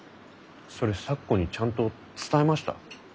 それ咲子にちゃんと伝えました？